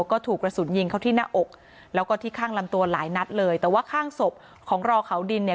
ก็ถูกกระสุนยิงเขาที่หน้าอกแล้วก็ที่ข้างลำตัวหลายนัดเลยแต่ว่าข้างศพของรอเขาดินเนี่ย